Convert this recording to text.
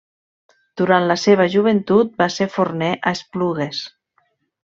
Durant la seva joventut va ser forner a Esplugues.